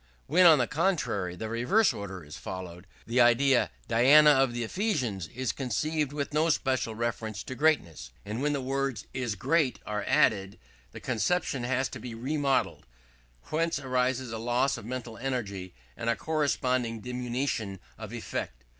When, on the contrary, the reverse order is followed, the idea, "Diana of the Ephesians" is conceived with no special reference to greatness; and when the words "is great" are added, the conception has to be remodeled: whence arises a loss of mental energy and a corresponding diminution of effect.